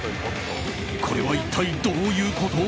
これは一体どういうこと？